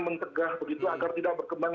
mencegah begitu agar tidak berkembang